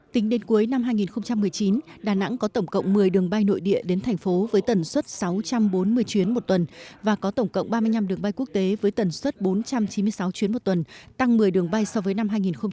tính đến cuối năm hai nghìn một mươi chín đà nẵng có tổng cộng một mươi đường bay nội địa đến thành phố với tần suất sáu trăm bốn mươi chuyến một tuần và có tổng cộng ba mươi năm đường bay quốc tế với tần suất bốn trăm chín mươi sáu chuyến một tuần tăng một mươi đường bay so với năm hai nghìn một mươi tám